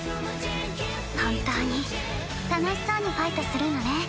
本当に楽しそうにファイトするのね。